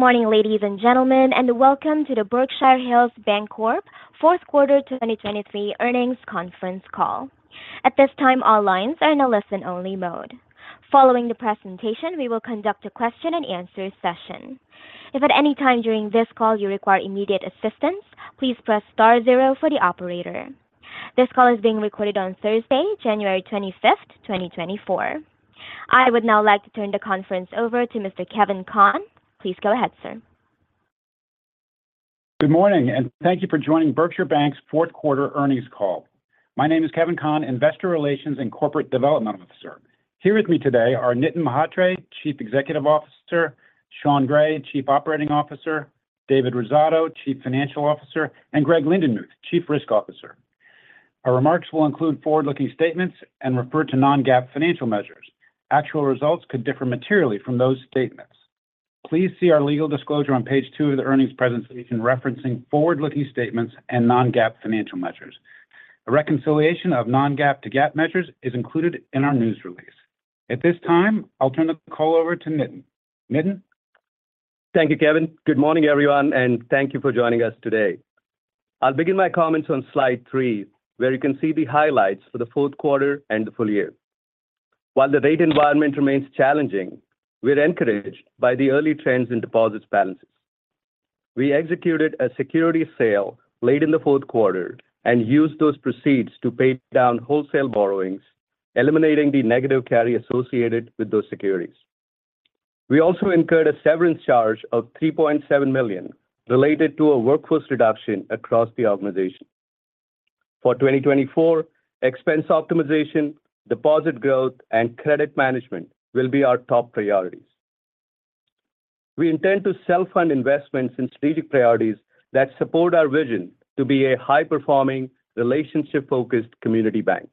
Good morning, ladies and gentlemen, and welcome to the Berkshire Hills Bancorp fourth quarter 2023 earnings conference call. At this time, all lines are in a listen-only mode. Following the presentation, we will conduct a question and answer session. If at any time during this call you require immediate assistance, please press star zero for the operator. This call is being recorded on Thursday, January 25th, 2024. I would now like to turn the conference over to Mr. Kevin Conn. Please go ahead, sir. Good morning, and thank you for joining Berkshire Bank's fourth quarter earnings call. My name is Kevin Conn, Investor Relations and Corporate Development Officer. Here with me today are Nitin Mhatre, Chief Executive Officer; Sean Gray, Chief Operating Officer; David Rosato, Chief Financial Officer; and Greg Lindenmuth, Chief Risk Officer. Our remarks will include forward-looking statements and refer to non-GAAP financial measures. Actual results could differ materially from those statements. Please see our legal disclosure on page two of the earnings presentation referencing forward-looking statements and non-GAAP financial measures. A reconciliation of non-GAAP to GAAP measures is included in our news release. At this time, I'll turn the call over to Nitin. Nitin? Thank you, Kevin. Good morning, everyone, and thank you for joining us today. I'll begin my comments on slide three, where you can see the highlights for the fourth quarter and the full year. While the rate environment remains challenging, we're encouraged by the early trends in deposits balances. We executed a security sale late in the fourth quarter and used those proceeds to pay down wholesale borrowings, eliminating the negative carry associated with those securities. We also incurred a severance charge of $3.7 million, related to a workforce reduction across the organization. For 2024, expense optimization, deposit growth, and credit management will be our top priorities. We intend to self-fund investments in strategic priorities that support our vision to be a high-performing, relationship-focused community bank.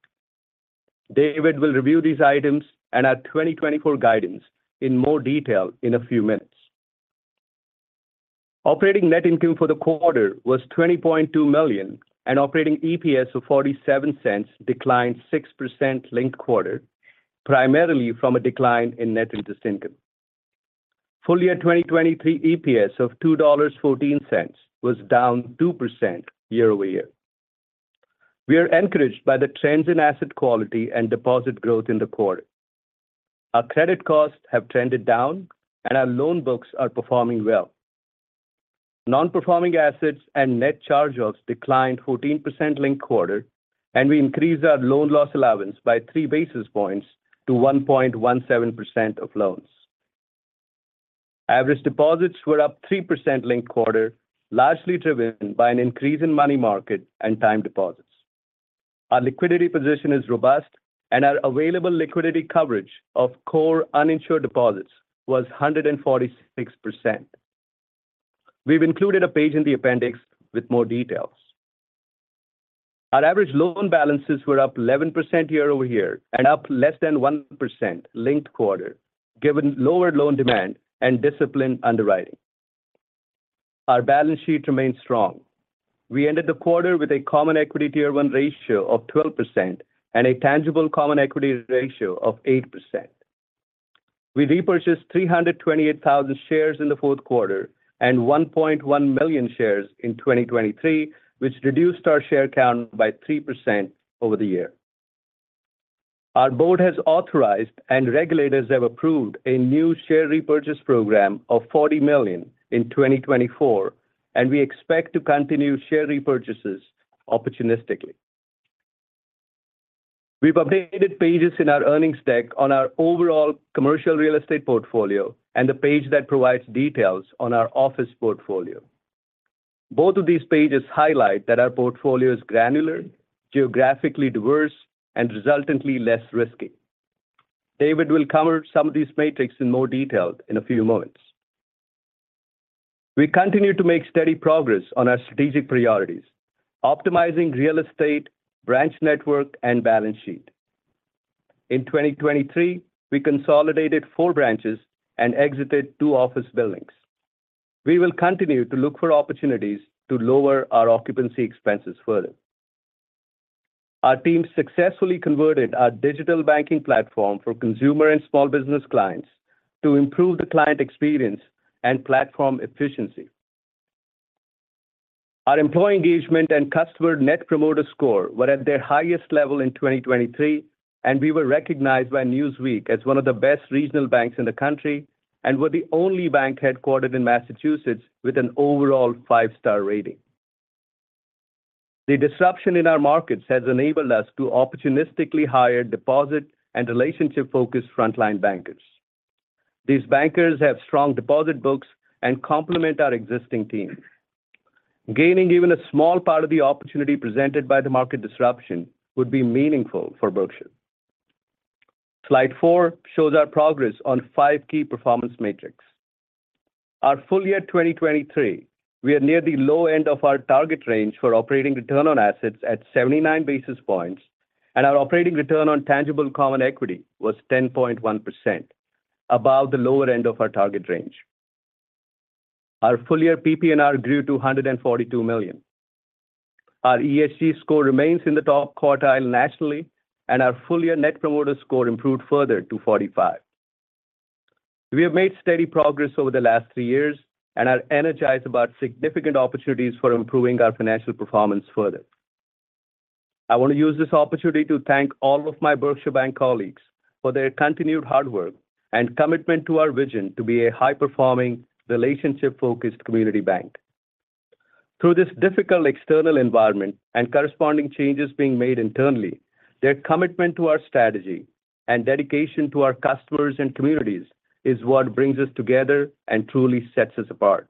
David will review these items and our 2024 guidance in more detail in a few minutes. Operating net income for the quarter was $20.2 million, and operating EPS of $0.47 declined 6% linked-quarter, primarily from a decline in net interest income. Full year 2023 EPS of $2.14 was down 2% year-over-year. We are encouraged by the trends in asset quality and deposit growth in the quarter. Our credit costs have trended down, and our loan books are performing well. Non-performing assets and net charge-offs declined 14% linked-quarter, and we increased our loan loss allowance by 3 basis points to 1.17% of loans. Average deposits were up 3% linked-quarter, largely driven by an increase in money market and time deposits. Our liquidity position is robust, and our available liquidity coverage of core uninsured deposits was 146%. We've included a page in the appendix with more details. Our average loan balances were up 11% year-over-year and up less than 1% linked quarter, given lower loan demand and disciplined underwriting. Our balance sheet remains strong. We ended the quarter with a Common Equity Tier 1 ratio of 12% and a tangible common equity ratio of 8%. We repurchased 328,000 shares in the fourth quarter and 1.1 million shares in 2023, which reduced our share count by 3% over the year. Our board has authorized and regulators have approved a new share repurchase program of $40 million in 2024, and we expect to continue share repurchases opportunistically. We've updated pages in our earnings deck on our overall commercial real estate portfolio and a page that provides details on our office portfolio. Both of these pages highlight that our portfolio is granular, geographically diverse, and resultantly less risky. David will cover some of these metrics in more detail in a few moments. We continue to make steady progress on our strategic priorities: optimizing real estate, branch network, and balance sheet. In 2023, we consolidated four branches and exited two office buildings. We will continue to look for opportunities to lower our occupancy expenses further. Our team successfully converted our digital banking platform for consumer and small business clients to improve the client experience and platform efficiency. Our employee engagement and customer Net Promoter Score were at their highest level in 2023, and we were recognized by Newsweek as one of the best regional banks in the country and were the only bank headquartered in Massachusetts with an overall five-star rating. The disruption in our markets has enabled us to opportunistically hire deposit and relationship-focused frontline bankers. These bankers have strong deposit books and complement our existing team. Gaining even a small part of the opportunity presented by the market disruption would be meaningful for Berkshire. Slide four shows our progress on five key performance metrics. Our full year 2023, we are near the low end of our target range for operating return on assets at 79 basis points, and our operating return on tangible common equity was 10.1%, above the lower end of our target range. Our full-year PPNR grew to $142 million. Our ESG score remains in the top quartile nationally, and our full-year net promoter score improved further to 45. We have made steady progress over the last three years and are energized about significant opportunities for improving our financial performance further. I want to use this opportunity to thank all of my Berkshire Bank colleagues for their continued hard work and commitment to our vision to be a high-performing, relationship-focused community bank. Through this difficult external environment and corresponding changes being made internally, their commitment to our strategy and dedication to our customers and communities is what brings us together and truly sets us apart.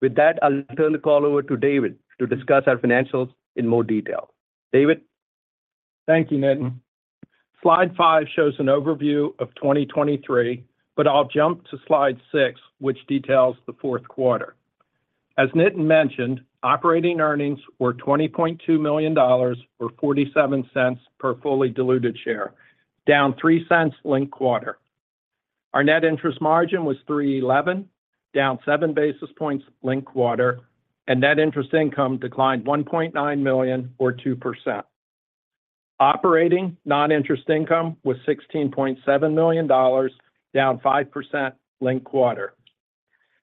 With that, I'll turn the call over to David to discuss our financials in more detail. David? Thank you, Nitin. Slide five shows an overview of 2023, but I'll jump to slide six, which details the fourth quarter. As Nitin mentioned, operating earnings were $20.2 million or $0.47 per fully diluted share, down $0.3 cents linked quarter. Our net interest margin was 3.11, down 7 basis points linked quarter, and net interest income declined $1.9 million or 2%. Operating non-interest income was $16.7 million, down 5% linked quarter.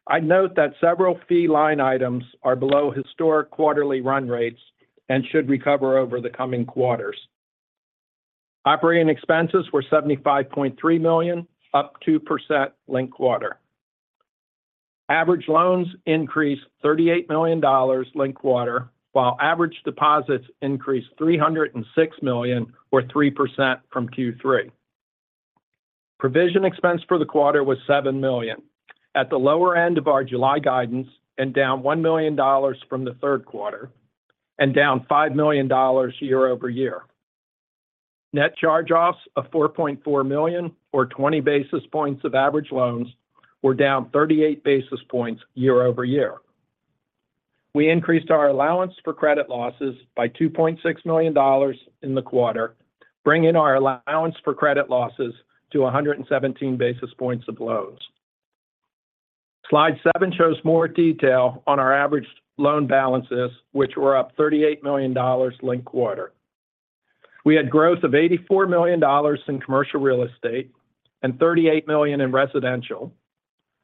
I'd note that several fee line items are below historic quarterly run rates and should recover over the coming quarters. Operating expenses were $75.3 million, up 2% linked quarter. Average loans increased $38 million linked quarter, while average deposits increased $306 million or 3% from Q3. Provision expense for the quarter was $7 million. At the lower end of our July guidance and down $1 million from the third quarter, and down $5 million year-over-year. Net charge-offs of $4.4 million or 20 basis points of average loans were down 38 basis points year-over-year. We increased our allowance for credit losses by $2.6 million in the quarter, bringing our allowance for credit losses to 117 basis points of loans. Slide seven shows more detail on our average loan balances, which were up $38 million linked-quarter. We had growth of $84 million in commercial real estate and $38 million in residential,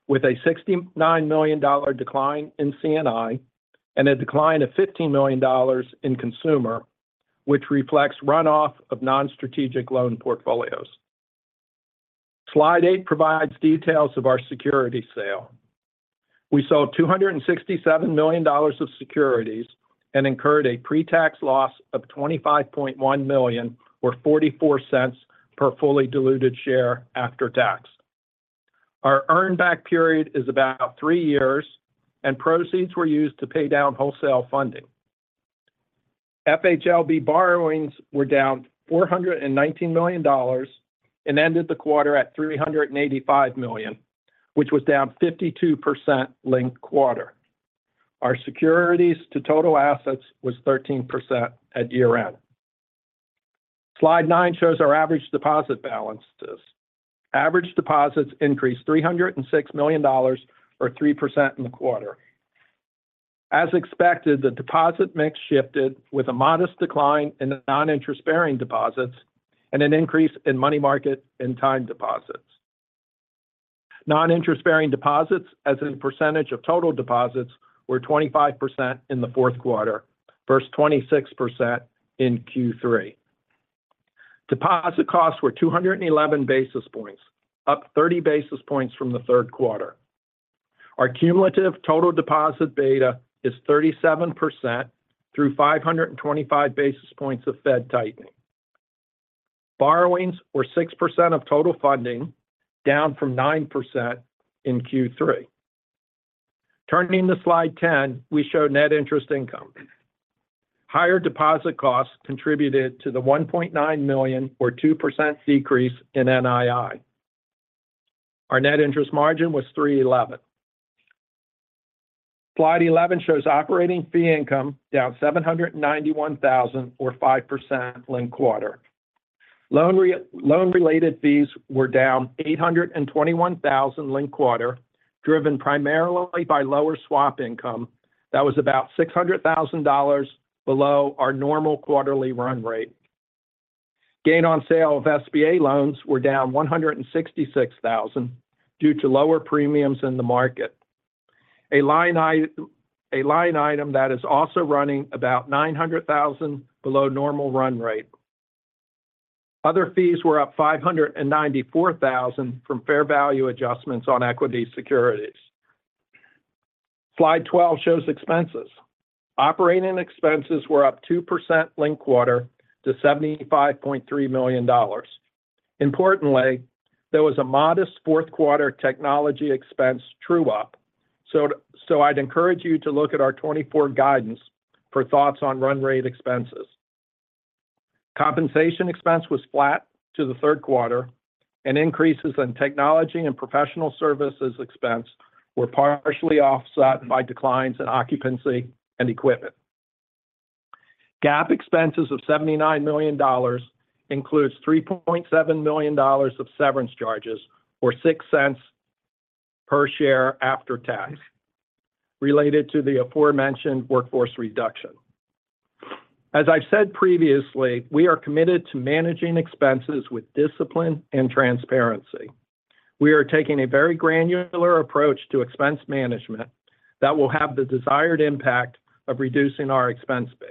with a $69 million decline in C&I and a decline of $15 million in consumer, which reflects runoff of non-strategic loan portfolios. Slide 8 provides details of our security sale. We sold $267 million of securities and incurred a pre-tax loss of $25.1 million, or $0.44 per fully diluted share after tax. Our earn back period is about three years, and proceeds were used to pay down wholesale funding. FHLB borrowings were down $419 million and ended the quarter at $385 million, which was down 52% linked quarter. Our securities to total assets was 13% at year-end. Slide nine shows our average deposit balances. Average deposits increased $306 million or 3% in the quarter. As expected, the deposit mix shifted with a modest decline in the non-interest-bearing deposits and an increase in money market and time deposits. Non-interest-bearing deposits as a percentage of total deposits were 25% in the fourth quarter, first 26% in Q3. Deposit costs were 211 basis points, up 30 basis points from the third quarter. Our cumulative total deposit beta is 37% through 525 basis points of Fed tightening. Borrowings were 6% of total funding, down from 9% in Q3. Turning to slide 10, we show net interest income. Higher deposit costs contributed to the $1.9 million or 2% decrease in NII. Our net interest margin was 3.11. Slide 11 shows operating fee income down $791,000 or 5% linked quarter. Loan-related fees were down $821,000 linked quarter, driven primarily by lower swap income that was about $600,000 below our normal quarterly run rate. Gain on sale of SBA loans were down $166,000 due to lower premiums in the market. A line item that is also running about $900,000 below normal run rate. Other fees were up $594,000 from fair value adjustments on equity securities. Slide 12 shows expenses. Operating expenses were up 2% linked quarter to $75.3 million. Importantly, there was a modest fourth quarter technology expense true up, so I'd encourage you to look at our 2024 guidance for thoughts on run rate expenses. Compensation expense was flat to the third quarter, and increases in technology and professional services expense were partially offset by declines in occupancy and equipment. GAAP expenses of $79 million includes $3.7 million of severance charges, or $0.06 per share after tax, related to the aforementioned workforce reduction. As I've said previously, we are committed to managing expenses with discipline and transparency. We are taking a very granular approach to expense management that will have the desired impact of reducing our expense base.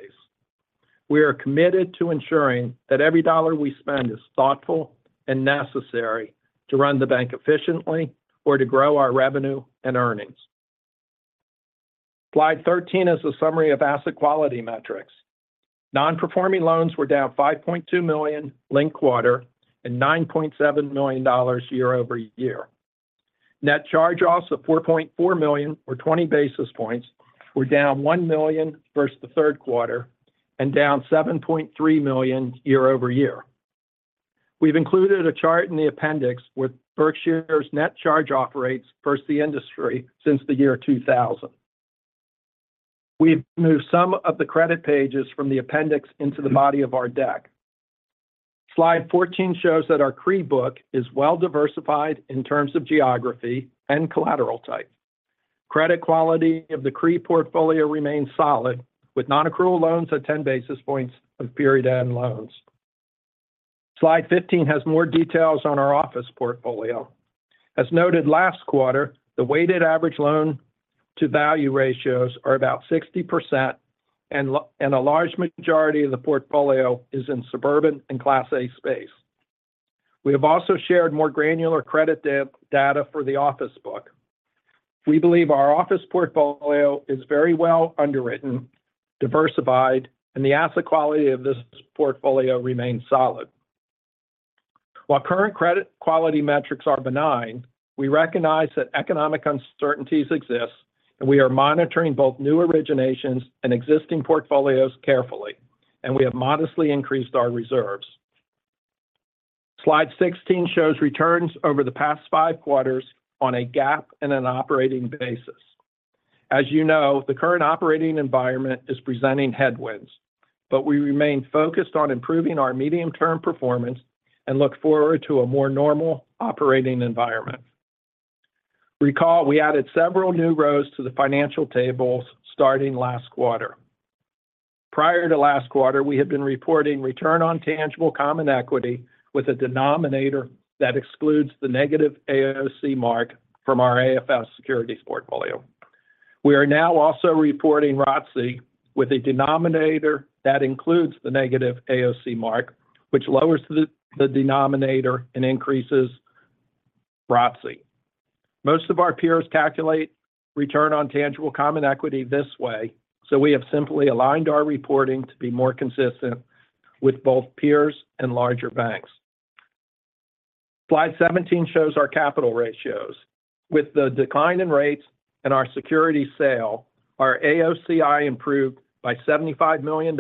We are committed to ensuring that every dollar we spend is thoughtful and necessary to run the bank efficiently or to grow our revenue and earnings. Slide 13 is a summary of asset quality metrics. Non-performing loans were down $5.2 million linked-quarter and $9.7 million year-over-year. Net charge-offs of $4.4 million or 20 basis points were down $1 million versus the third quarter and down $7.3 million year-over-year. We've included a chart in the appendix with Berkshire's net charge-off rates versus the industry since the year 2000. We've moved some of the credit pages from the appendix into the body of our deck. Slide 14 shows that our CRE book is well-diversified in terms of geography and collateral type. Credit quality of the CRE portfolio remains solid, with non-accrual loans at 10 basis points of period end loans. Slide 15 has more details on our office portfolio. As noted last quarter, the weighted average loan to value ratios are about 60%, and a large majority of the portfolio is in suburban and Class A space. We have also shared more granular credit data for the office book. We believe our office portfolio is very well underwritten, diversified, and the asset quality of this portfolio remains solid. While current credit quality metrics are benign, we recognize that economic uncertainties exist, and we are monitoring both new originations and existing portfolios carefully, and we have modestly increased our reserves. Slide 16 shows returns over the past five quarters on a GAAP and an operating basis. As you know, the current operating environment is presenting headwinds, but we remain focused on improving our medium-term performance and look forward to a more normal operating environment. Recall, we added several new rows to the financial tables starting last quarter. Prior to last quarter, we had been reporting return on tangible common equity with a denominator that excludes the negative AOCI mark from our AFS securities portfolio. We are now also reporting ROTCE with a denominator that includes the negative AOCI mark, which lowers the denominator and increases ROTCE. Most of our peers calculate return on tangible common equity this way, so we have simply aligned our reporting to be more consistent with both peers and larger banks. Slide 17 shows our capital ratios. With the decline in rates and our security sale, our AOCI improved by $75 million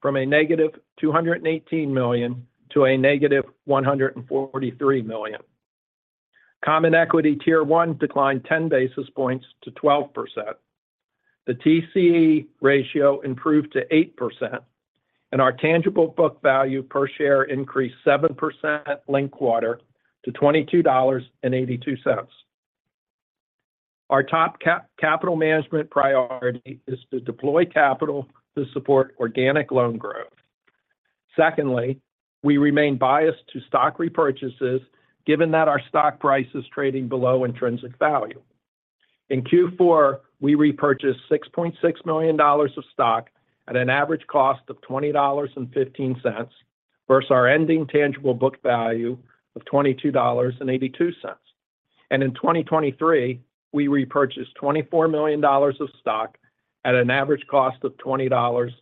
from a negative $218 million to a negative $143 million. Common Equity Tier 1 declined 10 basis points to 12%. The TCE ratio improved to 8%, and our tangible book value per share increased 7% linked quarter to $22.82. Our top capital management priority is to deploy capital to support organic loan growth. Secondly, we remain biased to stock repurchases, given that our stock price is trading below intrinsic value. In Q4, we repurchased $6.6 million of stock at an average cost of $20.15, versus our ending tangible book value of $22.82. In 2023, we repurchased $24 million of stock at an average cost of $20.85.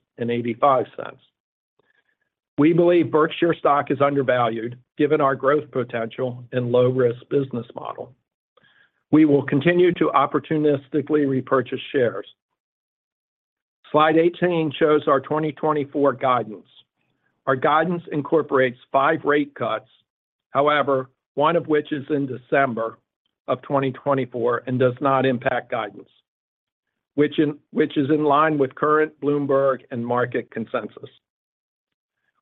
We believe Berkshire stock is undervalued, given our growth potential and low-risk business model. We will continue to opportunistically repurchase shares. Slide 18 shows our 2024 guidance. Our guidance incorporates 5 rate cuts. However, one of which is in December of 2024 and does not impact guidance, which is in line with current Bloomberg and market consensus.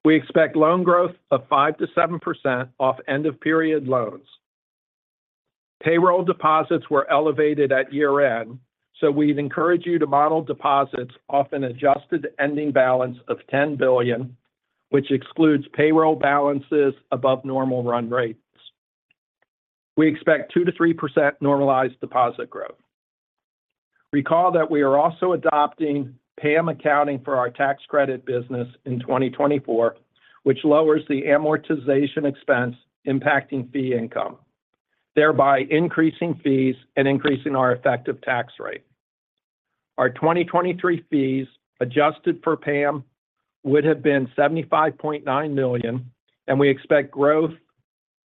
We expect loan growth of 5%-7% off end-of-period loans. Payroll deposits were elevated at year-end, so we'd encourage you to model deposits off an adjusted ending balance of $10 billion, which excludes payroll balances above normal run rates. We expect 2%-3% normalized deposit growth. Recall that we are also adopting PAM accounting for our tax credit business in 2024, which lowers the amortization expense impacting fee income, thereby increasing fees and increasing our effective tax rate. Our 2023 fees, adjusted for PAM, would have been $75.9 million, and we expect growth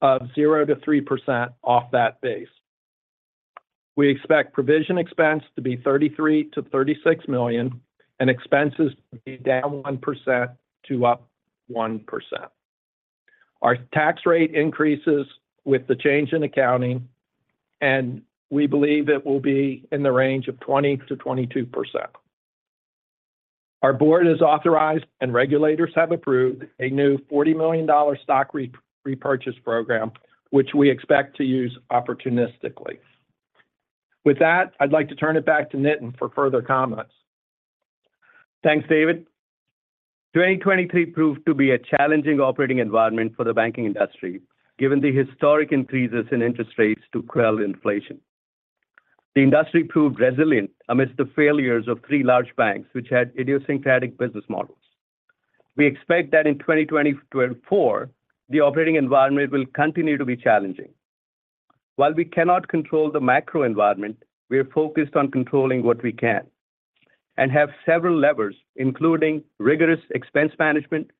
of 0%-3% off that base. We expect provision expense to be $33 million-$36 million and expenses to be down 1% to up 1%. Our tax rate increases with the change in accounting, and we believe it will be in the range of 20%-22%. Our board has authorized and regulators have approved a new $40 million stock repurchase program, which we expect to use opportunistically. With that, I'd like to turn it back to Nitin for further comments. Thanks, David. 2023 proved to be a challenging operating environment for the banking industry, given the historic increases in interest rates to quell inflation. The industry proved resilient amidst the failures of three large banks, which had idiosyncratic business models. We expect that in 2024, the operating environment will continue to be challenging. While we cannot control the macro environment, we are focused on controlling what we can and have several levers, including rigorous expense management,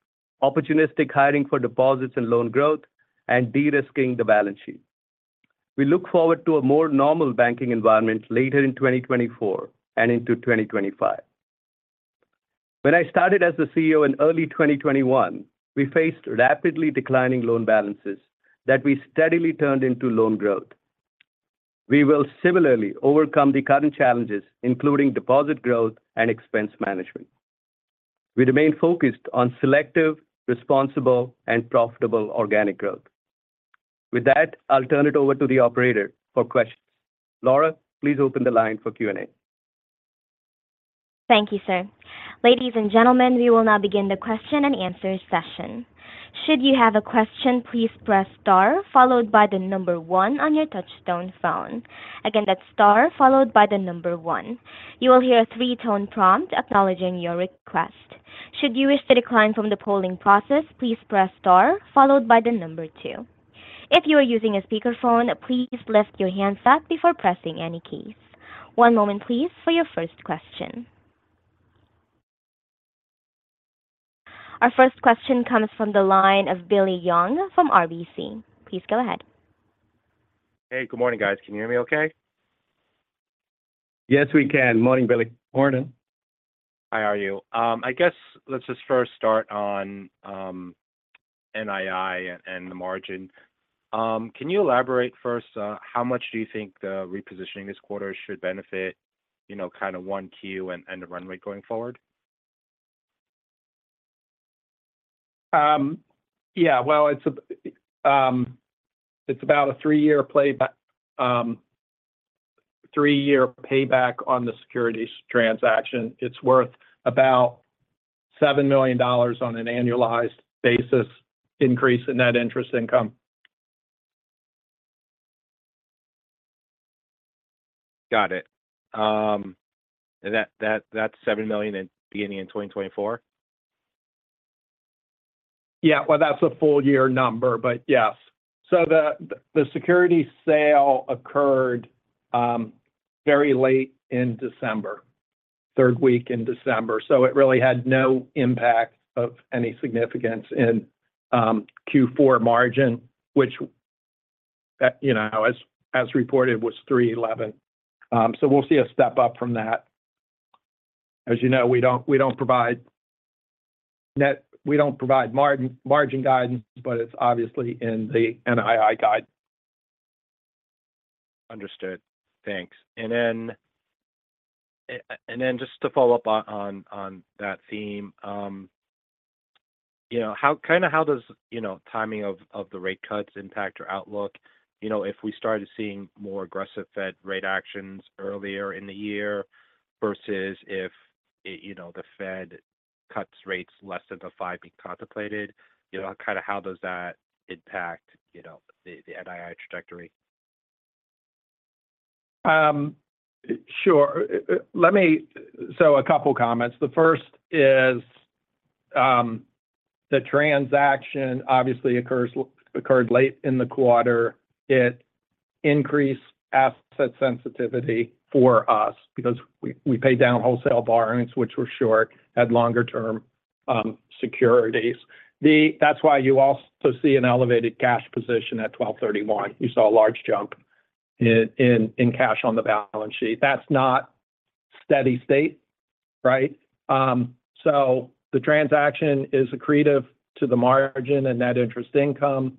opportunistic hiring for deposits and loan growth, and de-risking the balance sheet. We look forward to a more normal banking environment later in 2024 and into 2025. When I started as the CEO in early 2021, we faced rapidly declining loan balances that we steadily turned into loan growth. We will similarly overcome the current challenges, including deposit growth and expense management. We remain focused on selective, responsible, and profitable organic growth. With that, I'll turn it over to the operator for questions. Laura, please open the line for Q&A. Thank you, sir. Ladies and gentlemen, we will now begin the question and answer session. Should you have a question, please press star followed by the number one on your touchtone phone. Again, that's star followed by the number one. You will hear a three-tone prompt acknowledging your request. Should you wish to decline from the polling process, please press star followed by the number two. If you are using a speakerphone, please lift your handset before pressing any keys. One moment, please, for your first question. Our first question comes from the line of Billy Young from RBC. Please go ahead. Hey, good morning, guys. Can you hear me okay? Yes, we can. Morning, Billy. Morning. How are you? I guess let's just first start on NII and the margin. Can you elaborate first, how much do you think the repositioning this quarter should benefit, you know, kind of 1Q and the runway going forward? Well, it's about a three year payback on the securities transaction. It's worth about $7 million on an annualized basis, increase in net interest income. Got it. And that, that's $7 million beginning in 2024? Yeah, well, that's a full year number, but yes. So the security sale occurred very late in December, third week in December. So it really had no impact of any significance in Q4 margin, which, you know, as reported, was 3.11. So we'll see a step up from that. As you know, we don't provide margin guidance, but it's obviously in the NII guide. Understood. Thanks. And then just to follow up on that theme, you know, kind of how does the timing of the rate cuts impact your outlook? You know, if we started seeing more aggressive Fed rate actions earlier in the year versus if the Fed cuts rates less than the five being contemplated, you know, kind of how does that impact the NII trajectory? Sure. Let me so a couple of comments. The first is, the transaction obviously occurred late in the quarter. It increased asset sensitivity for us because we paid down wholesale borrowings, which were short, had longer-term securities. That's why you also see an elevated cash position at 12/31. You saw a large jump in cash on the balance sheet. That's not steady state, right? So the transaction is accretive to the margin and net interest income.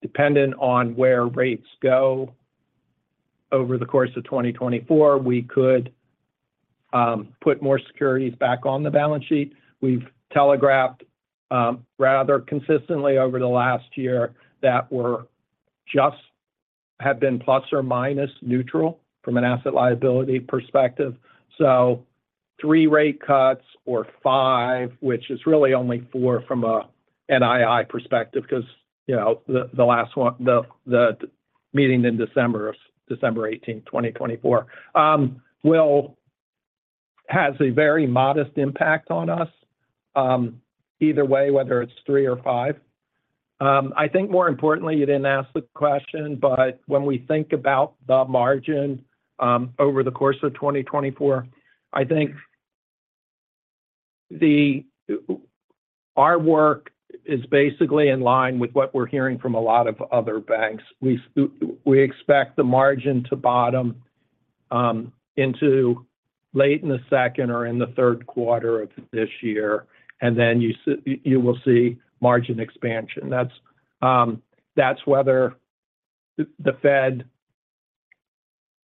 Depending on where rates go over the course of 2024, we could put more securities back on the balance sheet. We've telegraphed rather consistently over the last year that we're just have been plus or minus neutral from an asset liability perspective. Three rate cuts or five, which is really only four from a NII perspective, because, you know, the last one, the meeting in December of December 18, 2024, has a very modest impact on us, either way, whether it's three or five. I think more importantly, you didn't ask the question, but when we think about the margin, over the course of 2024, I think our work is basically in line with what we're hearing from a lot of other banks. We expect the margin to bottom into late in the second or in the third quarter of this year, and then you will see margin expansion. That's, that's whether the Fed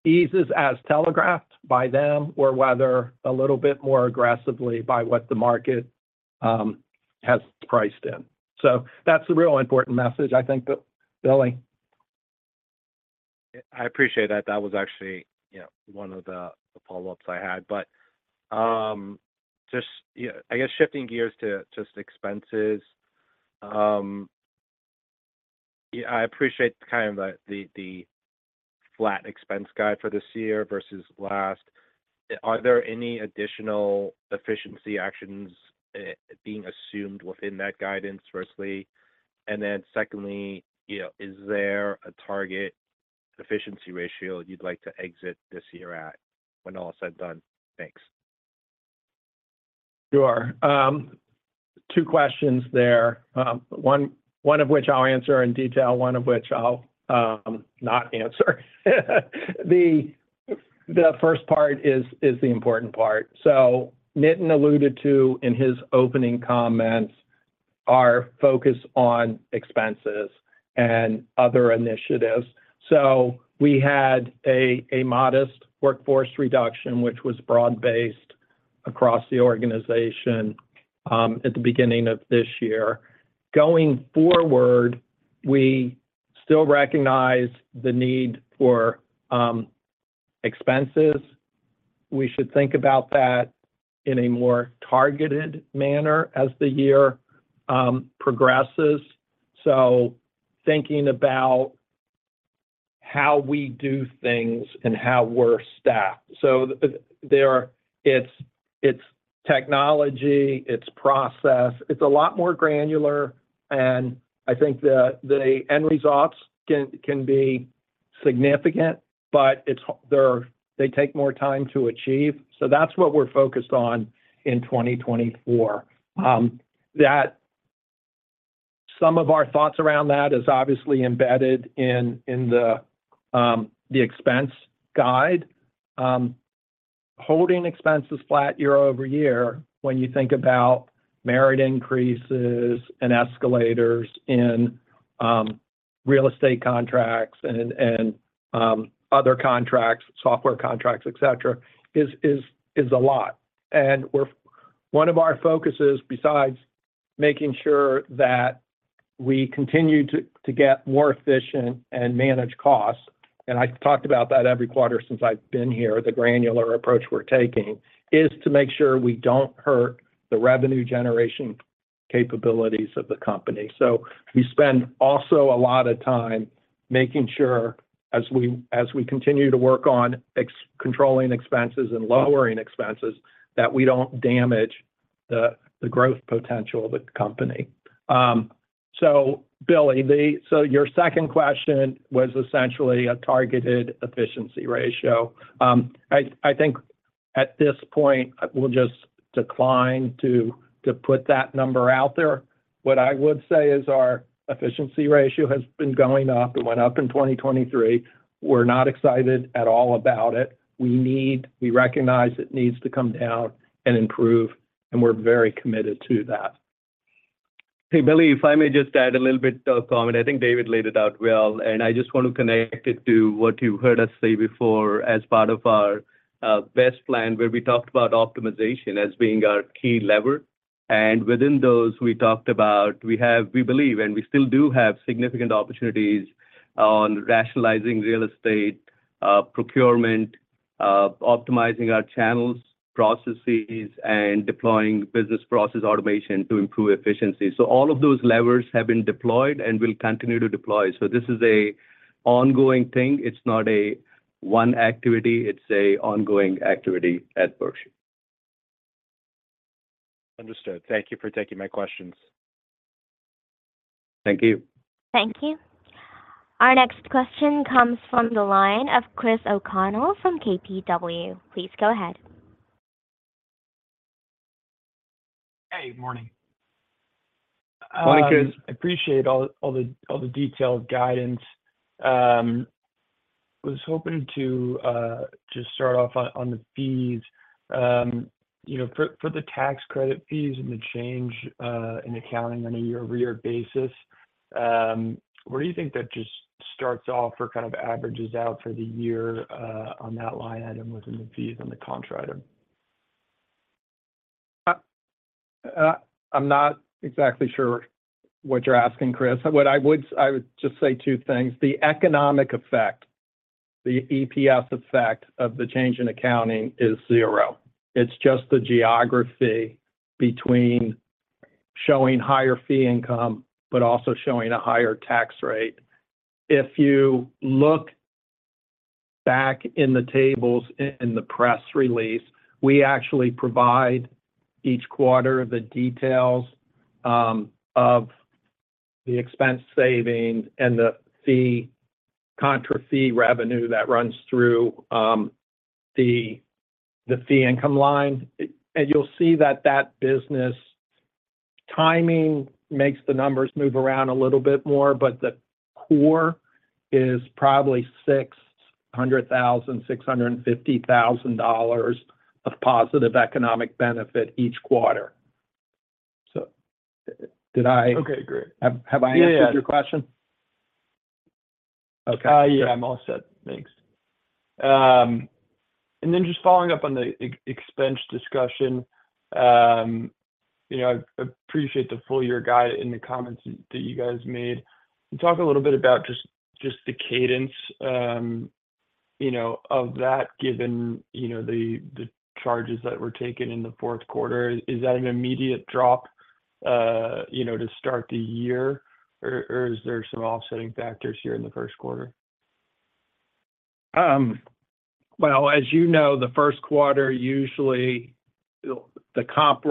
Eases as telegraphed by them, or whether a little bit more aggressively by what the market has priced in. So that's the real important message, I think, but Billy. I appreciate that. That was actually, you know, one of the follow-ups I had. But just, yeah, I guess shifting gears to just expenses. Yeah, I appreciate kind of the flat expense guide for this year versus last. Are there any additional efficiency actions being assumed within that guidance, firstly? And then secondly, you know, is there a target efficiency ratio you'd like to exit this year at when all is said and done? Thanks. Sure. Two questions there. One, one of which I'll answer in detail, one of which I'll not answer. The first part is the important part. So Nitin alluded to, in his opening comments, our focus on expenses and other initiatives. So we had a modest workforce reduction, which was broad-based across the organization, at the beginning of this year. Going forward, we still recognize the need for expenses. We should think about that in a more targeted manner as the year progresses. So thinking about how we do things and how we're staffed. So there, it's technology, it's process. It's a lot more granular, and I think that the end results can be significant, but it's that they take more time to achieve. So that's what we're focused on in 2024. That some of our thoughts around that is obviously embedded in the expense guide. Holding expenses flat year-over-year, when you think about merit increases and escalators in real estate contracts and other contracts, software contracts, et cetera, is a lot. And we're one of our focuses, besides making sure that we continue to get more efficient and manage costs, and I've talked about that every quarter since I've been here, the granular approach we're taking, is to make sure we don't hurt the revenue generation capabilities of the company. So we spend also a lot of time making sure as we continue to work on controlling expenses and lowering expenses, that we don't damage the growth potential of the company. So Billy, your second question was essentially a targeted efficiency ratio. I think at this point, we'll just decline to put that number out there. What I would say is our efficiency ratio has been going up. It went up in 2023. We're not excited at all about it. We need, we recognize it needs to come down and improve, and we're very committed to that. Hey, Billy, if I may just add a little bit of comment. I think David laid it out well, and I just want to connect it to what you heard us say before as part of our BEST plan, where we talked about optimization as being our key lever. And within those, we talked about, we have, we believe, and we still do have significant opportunities on rationalizing real estate, procurement, optimizing our channels, processes, and deploying business process automation to improve efficiency. So all of those levers have been deployed and will continue to deploy. So this is an ongoing thing. It's not a one activity, it's an ongoing activity at Berkshire. Understood. Thank you for taking my questions. Thank you. Thank you. Our next question comes from the line of Chris O'Connell from KBW. Please go ahead. Hey, morning. Morning, Chris. I appreciate all the detailed guidance. I was hoping to just start off on the fees. You know, for the tax credit fees and the change in accounting on a year-over-year basis, where do you think that just starts off or kind of averages out for the year, on that line item within the fees and the contra item? I'm not exactly sure what you're asking, Chris. What I would say two things: the economic effect, the EPS effect of the change in accounting is zero. It's just the geography between showing higher fee income, but also showing a higher tax rate. If you look back in the tables in the press release, we actually provide each quarter the details of the expense savings and the fee, contra fee revenue that runs through the fee income line. And you'll see that business timing makes the numbers move around a little bit more, but the core is probably $600,000-$650,000 of positive economic benefit each quarter. So did I Okay, great. Have I answered your question? Yeah, yeah. Okay. Yeah, I'm all set. Thanks. And then just following up on the expense discussion, you know, I appreciate the full year guide and the comments that you guys made. Can you talk a little bit about just the cadence, you know, of that, given the charges that were taken in the fourth quarter? Is that an immediate drop, you know, to start the year, or is there some offsetting factors here in the first quarter? Well, as you know, the first quarter, usually, the comp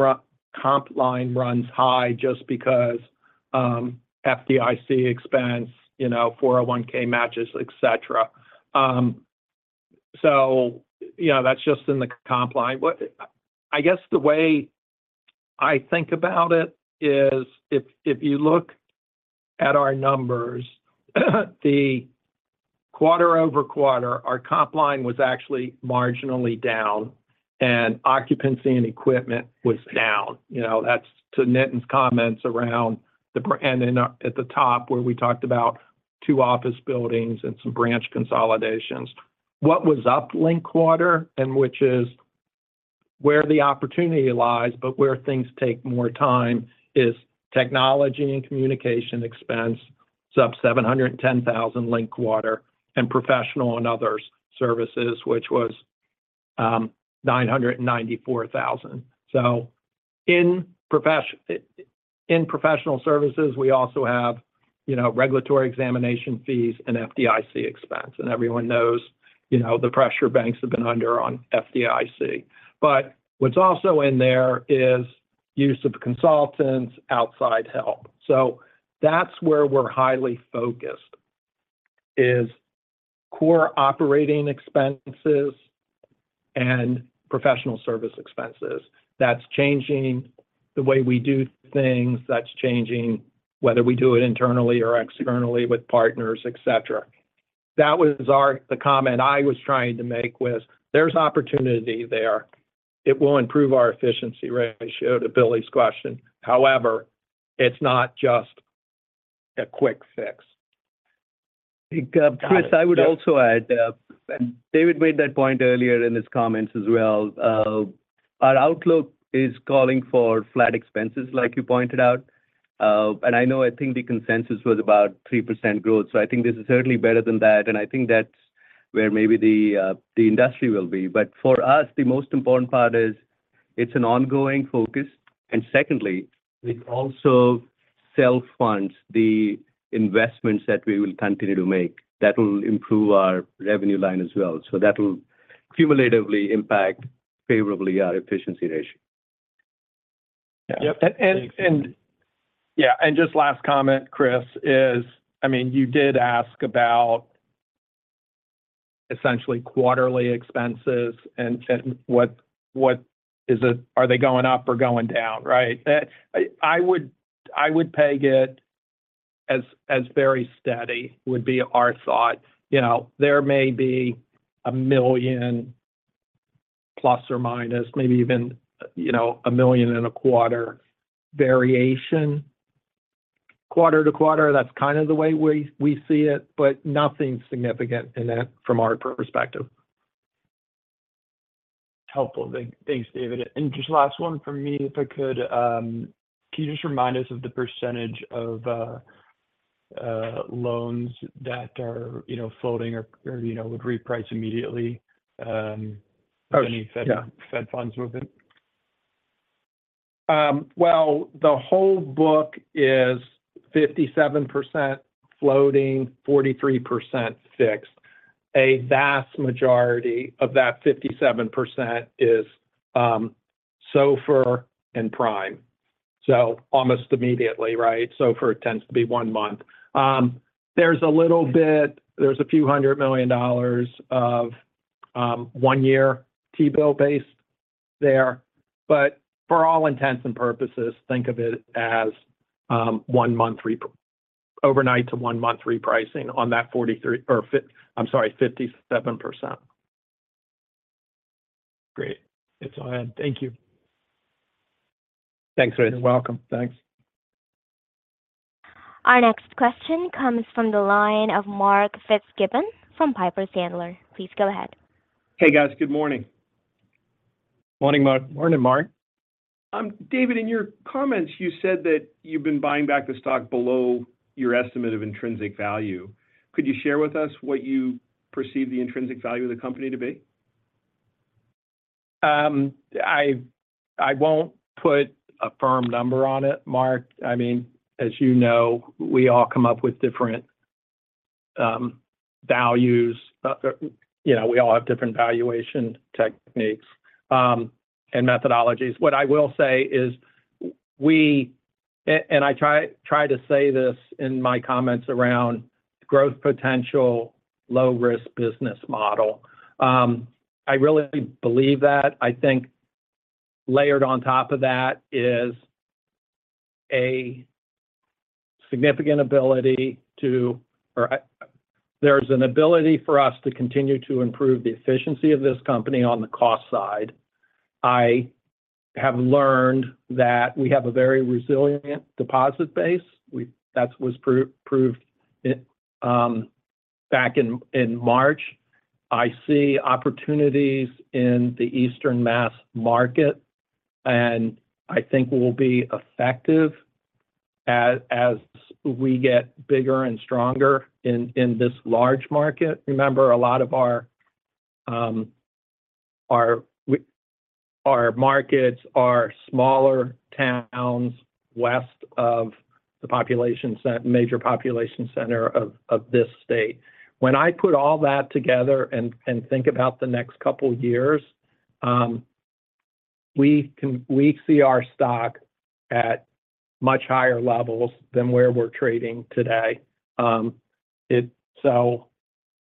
line runs high just because FDIC expands, you know, 401 matches, etc So yeah, that's just in the comp line. What I guess the way I think about it is if you look at our numbers, the quarter-over-quarter, our comp line was actually marginally down, and occupancy and equipment was down. You know, that's to Nitin's comments around the branch and then at the top, where we talked about two office buildings and some branch consolidations. What was up linked quarter, and which is where the opportunity lies, but where things take more time, is technology and communication expense. It's up $710,000 linked quarter, and professional and others services, which was $994,000. So in professional services, we also have, you know, regulatory examination fees and FDIC expense. And everyone knows, you know, the pressure banks have been under on FDIC. But what's also in there is use of consultants, outside help. So that's where we're highly focused, is core operating expenses and professional service expenses. That's changing the way we do things, that's changing whether we do it internally or externally with partners, et cetera. That was the comment I was trying to make was, there's opportunity there. It will improve our efficiency ratio, to Billy's question. However, it's not just a quick fix. Chris, I would also add, David made that point earlier in his comments as well. Our outlook is calling for flat expenses, like you pointed out. And I know, I think the consensus was about 3% growth, so I think this is certainly better than that, and I think that's where maybe the industry will be. But for us, the most important part is it's an ongoing focus. And secondly, it also self-funds the investments that we will continue to make. That will improve our revenue line as well, so that will cumulatively impact favorably our Efficiency Ratio. Yeah. Yep, and, Yeah, and just last comment, Chris, is, I mean, you did ask about essentially quarterly expenses and what is it, are they going up or going down, right? That, I would peg it as very steady, would be our thought. You know, there may be $1 million plus or minus, maybe even $1.25 million variation quarter to quarter. That's kind of the way we see it, but nothing significant in that from our perspective. Helpful. Thanks, David. And just last one from me, if I could. Can you just remind us of the percentage of loans that are, you know, floating or, or, you know, would reprice immediately, any- Oh, yeah Fed Funds movement? Well, the whole book is 57% floating, 43% fixed. A vast majority of that 57% is SOFR and Prime. So almost immediately, right? SOFR tends to be one month. There's a little bit, there's a few hundred million dollars of one-year T-bill based there. But for all intents and purposes, think of it as one month repricing overnight to one month repricing on that 43%, or 50%, I'm sorry, 57%. Great. That's all I had. Thank you. Thanks, Chris. You're welcome. Thanks. Our next question comes from the line of Mark Fitzgibbon from Piper Sandler. Please go ahead. Hey, guys. Good morning. Morning, Mark. Morning, Mark. David, in your comments, you said that you've been buying back the stock below your estimate of intrinsic value. Could you share with us what you perceive the intrinsic value of the company to be? I won't put a firm number on it, Mark. I mean, as you know, we all come up with different values. You know, we all have different valuation techniques and methodologies. What I will say is we, and I try to say this in my comments around growth potential, low-risk business model. I really believe that. I think layered on top of that is a significant ability to, or there's an ability for us to continue to improve the efficiency of this company on the cost side. I have learned that we have a very resilient deposit base. That was proved back in March. I see opportunities in the Eastern Massachusetts market, and I think we'll be effective as we get bigger and stronger in this large market. Remember, a lot of our markets are smaller towns west of the major population center of this state. When I put all that together and think about the next couple of years, we see our stock at much higher levels than where we're trading today. So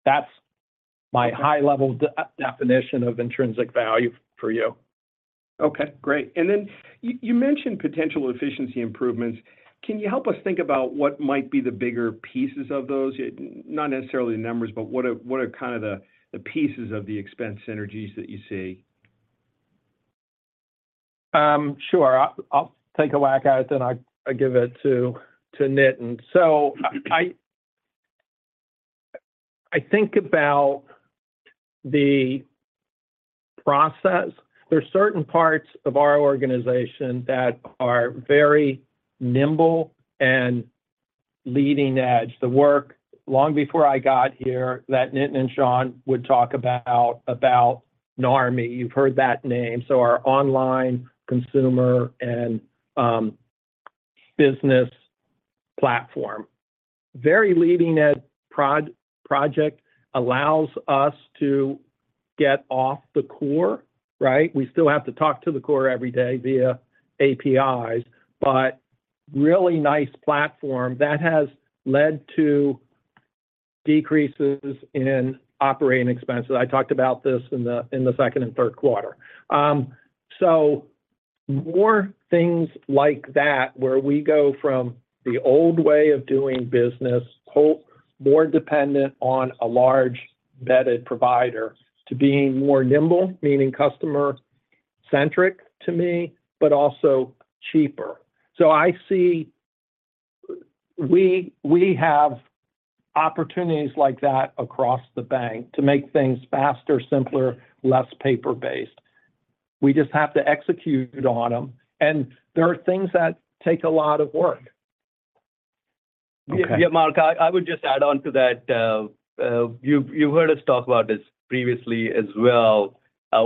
that's my high-level definition of intrinsic value for you. Okay, great. And then you mentioned potential efficiency improvements. Can you help us think about what might be the bigger pieces of those? Not necessarily the numbers, but what are kind of the pieces of the expense synergies that you see? Sure. I'll take a whack at it, then I give it to Nitin. So I think about the process. There are certain parts of our organization that are very nimble and leading-edge. The work, long before I got here, that Nitin and Sean would talk about, about Narmi. You've heard that name. So our online consumer and business platform. Very leading-edge project allows us to get off the core, right? We still have to talk to the core every day via APIs, but really nice platform that has led to decreases in operating expenses. I talked about this in the second and third quarter. So more things like that, where we go from the old way of doing business, wholly more dependent on a large embedded provider, to being more nimble, meaning customer-centric to me, but also cheaper. So I see we have opportunities like that across the bank to make things faster, simpler, less paper-based. We just have to execute on them. There are things that take a lot of work. Okay. Yeah, Mark, I would just add on to that. You've heard us talk about this previously as well.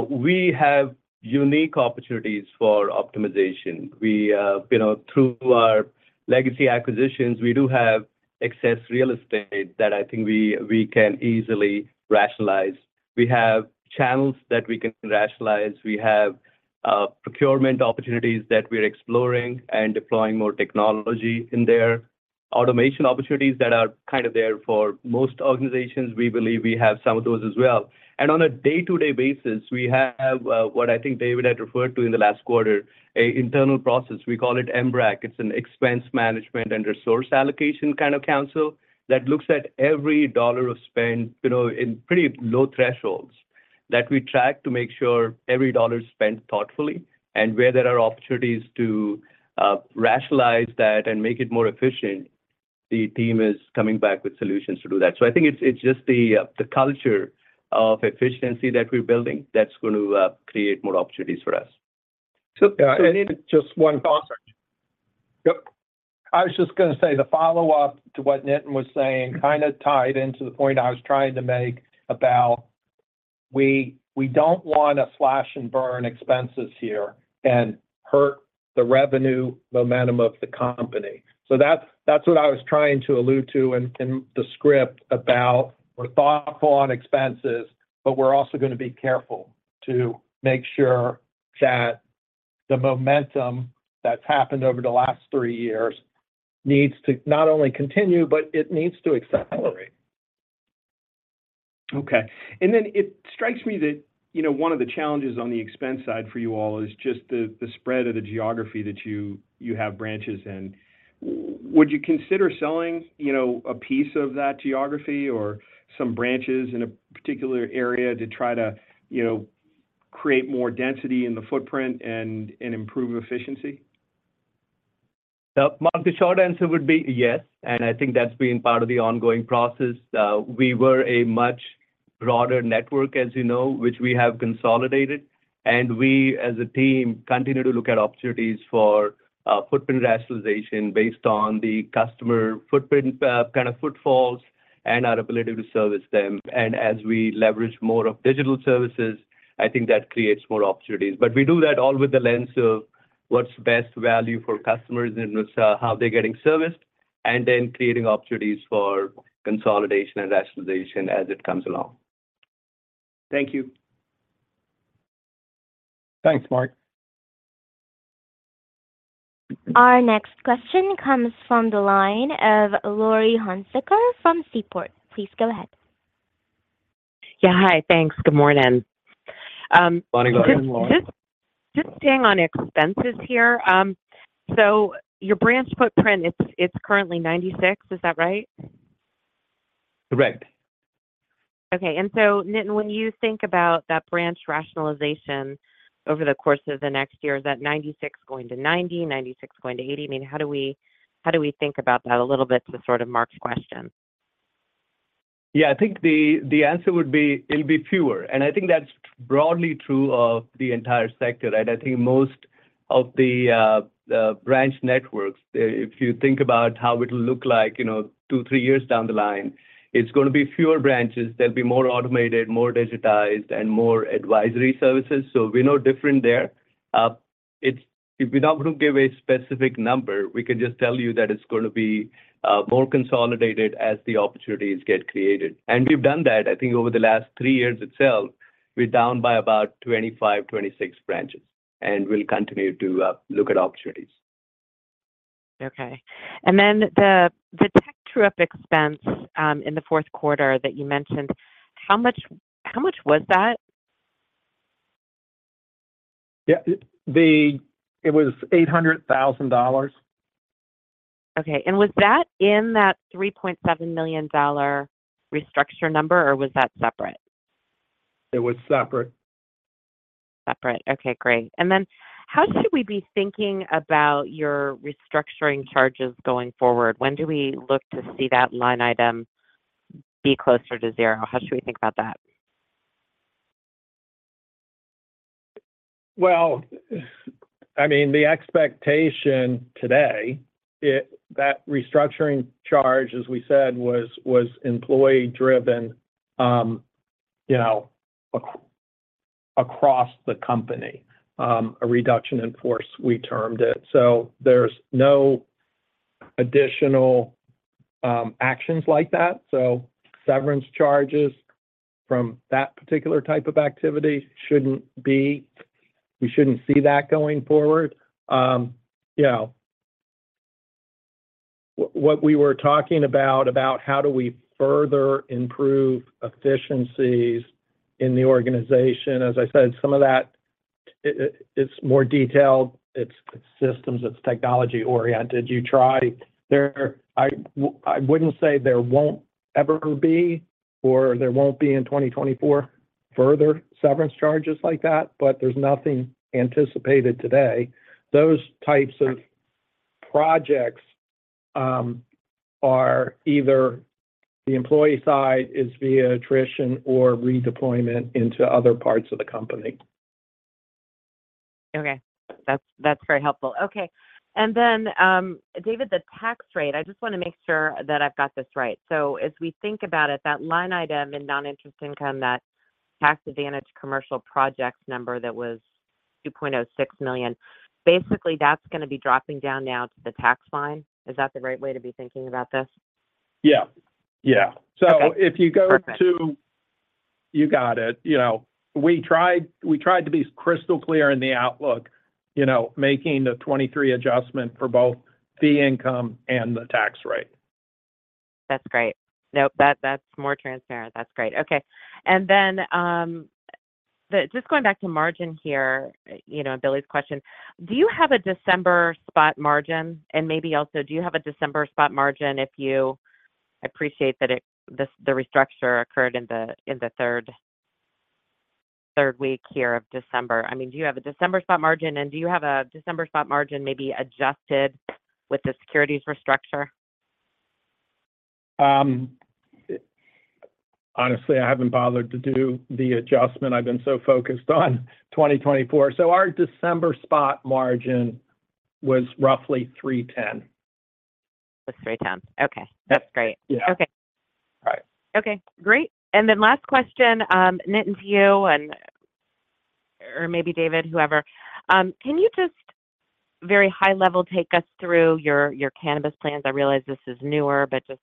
We have unique opportunities for optimization. You know, through our legacy acquisitions, we do have excess real estate that I think we can easily rationalize. We have channels that we can rationalize. We have procurement opportunities that we're exploring and deploying more technology in there. Automation opportunities that are kind of there for most organizations, we believe we have some of those as well. And on a day-to-day basis, we have what I think David had referred to in the last quarter, an internal process. We call it EMRAC. It's an Expense Management and Resource Allocation kind of council that looks at every dollar of spend, you know, in pretty low thresholds, that we track to make sure every dollar is spent thoughtfully and where there are opportunities to, rationalize that and make it more efficient, the team is coming back with solutions to do that. So I think it's, it's just the, the culture of efficiency that we're building that's going to, create more opportunities for us. So, yeah, and just one thought. Yep. I was just going to say the follow-up to what Nitin was saying, kind of tied into the point I was trying to make about we don't want to slash and burn expenses here and hurt the revenue momentum of the company. So that's what I was trying to allude to in the script about we're thoughtful on expenses, but we're also going to be careful to make sure that the momentum that's happened over the last three years needs to not only continue, but it needs to accelerate. Okay. And then it strikes me that, you know, one of the challenges on the expense side for you all is just the spread of the geography that you have branches in. Would you consider selling, you know, a piece of that geography or some branches in a particular area to try to, you know, create more density in the footprint and improve efficiency? Yep. Mark, the short answer would be yes, and I think that's been part of the ongoing process. We were a much broader network, as you know, which we have consolidated, and we, as a team, continue to look at opportunities for footprint rationalization based on the customer footprint, kind of footfalls and our ability to service them. And as we leverage more of digital services, I think that creates more opportunities. But we do that all with the lens of what's best value for customers and also how they're getting serviced, and then creating opportunities for consolidation and rationalization as it comes along. Thank you. Thanks, Mark. Our next question comes from the line of Laurie Hunsicker from Seaport. Please go ahead. Yeah. Hi. Thanks. Good morning. Morning, Laurie. Just staying on expenses here. So your branch footprint, it's currently 96. Is that right? Correct. Okay, and so, Nitin, when you think about that branch rationalization over the course of the next year, is that 96 going to 90, 96 going to 80? I mean, how do we, how do we think about that a little bit to sort of Mark's question? Yeah, I think the answer would be, it'll be fewer, and I think that's broadly true of the entire sector, right? I think most of the branch networks, if you think about how it'll look like, you know, two, three years down the line, it's gonna be fewer branches. They'll be more automated, more digitized, and more advisory services, so we're no different there. It's, we're not going to give a specific number. We can just tell you that it's gonna be more consolidated as the opportunities get created. And we've done that, I think, over the last three years itself. We're down by about 25, 26 branches, and we'll continue to look at opportunities. Okay. And then the tech true-up expense in the fourth quarter that you mentioned, how much was that? Yeah, it was $800,000. Okay, and was that in that $3.7 million restructure number, or was that separate? It was separate. Separate. Okay, great. And then how should we be thinking about your restructuring charges going forward? When do we look to see that line item be closer to zero? How should we think about that? Well, I mean, the expectation today, that restructuring charge, as we said, was employee driven, you know, across the company. A reduction in force, we termed it. So there's no additional actions like that, so severance charges from that particular type of activity shouldn't be. We shouldn't see that going forward. Yeah. What we were talking about, about how do we further improve efficiencies in the organization, as I said, some of that, it's more detailed. It's systems, it's technology oriented. There, I wouldn't say there won't ever be or there won't be in 2024 further severance charges like that, but there's nothing anticipated today. Those types of projects are either the employee side is via attrition or redeployment into other parts of the company. Okay. That's, that's very helpful. Okay. And then, David, the tax rate, I just want to make sure that I've got this right. So as we think about it, that line item in non-interest income, that tax advantage commercial projects number that was $2.06 million, basically, that's going to be dropping down now to the tax line. Is that the right way to be thinking about this? Yeah. Yeah. Okay. So if you go to Perfect. You got it. You know, we tried, we tried to be crystal clear in the outlook, you know, making the 2023 adjustment for both fee income and the tax rate. That's great. Nope, that, that's more transparent. That's great. Okay. And then, just going back to margin here, you know, Billy's question, do you have a December spot margin? And maybe also, do you have a December spot margin if you, I appreciate that the restructure occurred in the third week here of December. I mean, do you have a December spot margin, and do you have a December spot margin maybe adjusted with the securities restructure? Honestly, I haven't bothered to do the adjustment. I've been so focused on 2024. So our December spot margin was roughly 3.10. It was 3:10. Okay, that's great. Yeah. Okay. All right. Okay, great. And then last question, Nitin to you and, or maybe David, whoever. Can you just very high level take us through your, your cannabis plans? I realize this is newer, but just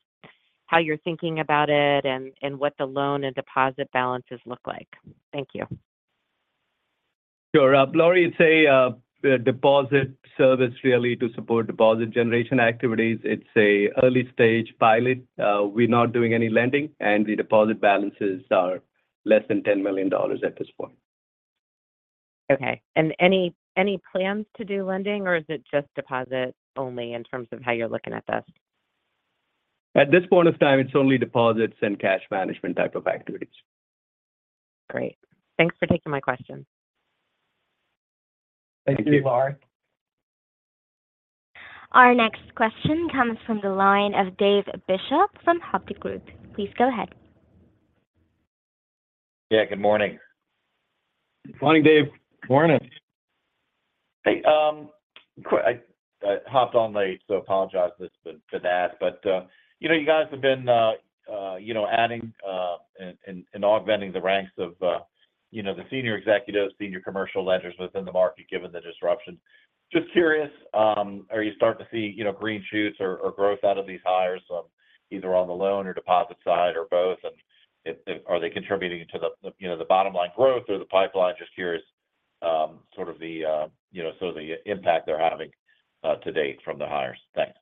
how you're thinking about it and, and what the loan and deposit balances look like. Thank you. Sure. Laurie, it's a deposit service really to support deposit generation activities. It's an early stage pilot. We're not doing any lending, and the deposit balances are less than $10 million at this point. Okay, and any plans to do lending, or is it just deposit only in terms of how you're looking at this? At this point of time, it's only deposits and cash management type of activities. Great. Thanks for taking my question. Thank you, Laurie. Our next question comes from the line of David Bishop from Hovde Group. Please go ahead. Yeah, good morning. Morning, Dave. Morning. Hey, I hopped on late, so apologize just for that. But you know, you guys have been you know, adding and augmenting the ranks of you know, the senior executives, senior commercial lenders within the market, given the disruption. Just curious, are you starting to see you know, green shoots or growth out of these hires, either on the loan or deposit side or both? And are they contributing to the you know, the bottom line growth or the pipeline? Just curious, sort of the you know, sort of the impact they're having to date from the hires. Thanks.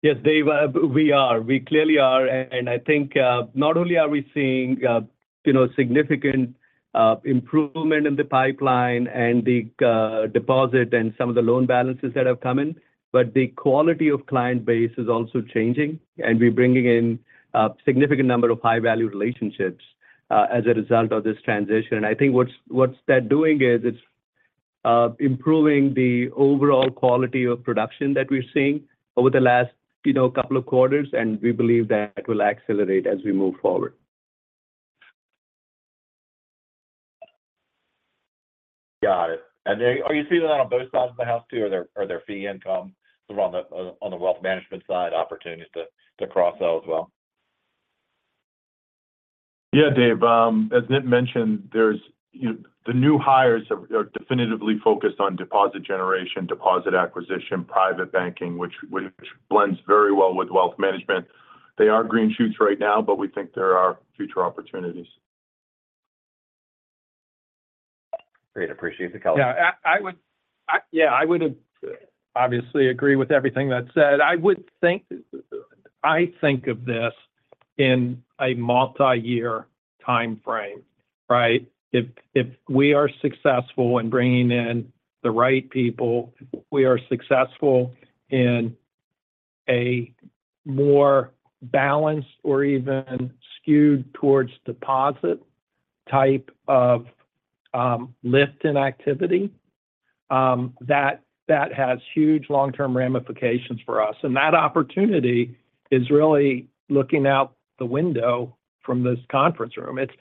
Yes, Dave, we are. We clearly are. And I think not only are we seeing you know significant improvement in the pipeline and the deposit and some of the loan balances that have come in, but the quality of client base is also changing, and we're bringing in a significant number of high-value relationships as a result of this transition. And I think what's that doing is it's improving the overall quality of production that we're seeing over the last you know couple of quarters, and we believe that will accelerate as we move forward. Got it. And are you seeing that on both sides of the house, too, or their fee income on the wealth management side, opportunities to cross sell as well? Yeah, Dave, as Nit mentioned, there's, you know, the new hires are definitively focused on deposit generation, deposit acquisition, private banking, which blends very well with wealth management. They are green shoots right now, but we think there are future opportunities. Great, appreciate the color. Yeah, I would obviously agree with everything that's said. I would think, I think of this in a multi-year time frame, right? If we are successful in bringing in the right people, we are successful in a more balanced or even skewed towards deposit type of lift in activity, that has huge long-term ramifications for us. And that opportunity is really looking out the window from this conference room. It's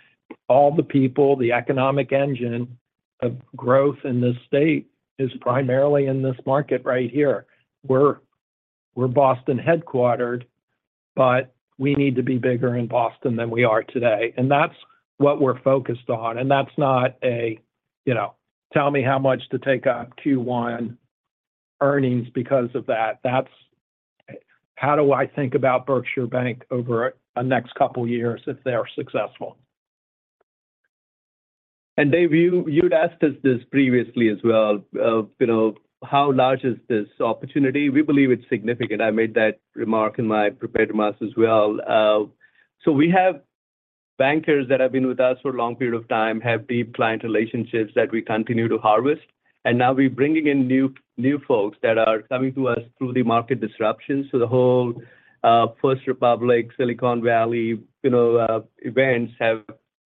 all the people, the economic engine of growth in this state is primarily in this market right here. We're Boston headquartered, but we need to be bigger in Boston than we are today. And that's what we're focused on, and that's not a, you know, tell me how much to take up Q1 earnings because of that. That's how do I think about Berkshire Bank over a next couple of years if they are successful. Dave, you'd asked us this previously as well, you know, how large is this opportunity? We believe it's significant. I made that remark in my prepared remarks as well. So we have bankers that have been with us for a long period of time, have deep client relationships that we continue to harvest, and now we're bringing in new folks that are coming to us through the market disruption. So the whole First Republic, Silicon Valley, you know, events have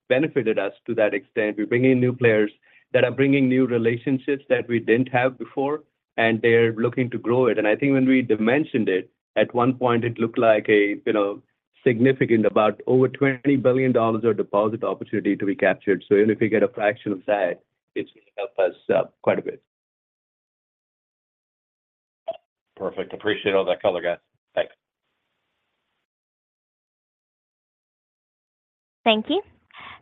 benefited us to that extent. We're bringing in new players that are bringing new relationships that we didn't have before, and they're looking to grow it. And I think when we dimensioned it, at one point, it looked like, you know, significant, about over $20 billion of deposit opportunity to be captured. So even if we get a fraction of that, it's going to help us quite a bit. Perfect. Appreciate all that color, guys. Thanks. Thank you.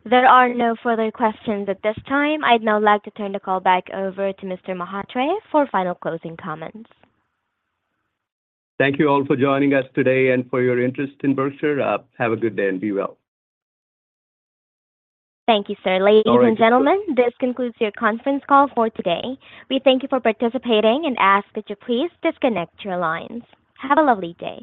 There are no further questions at this time. I'd now like to turn the call back over to Mr. Mhatre for final closing comments. Thank you all for joining us today and for your interest in Berkshire. Have a good day and be well. Thank you, sir. All right. Ladies and gentlemen, this concludes your conference call for today. We thank you for participating and ask that you please disconnect your lines. Have a lovely day.